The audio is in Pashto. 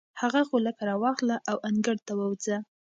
هغه غولکه راواخله او انګړ ته ووځه.